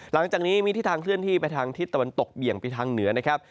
หลังจากนี้มีทิศทางเคลื่อนที่ไปทางทิศตะวันตกเบี่ยงไปทางเหนือนะครับ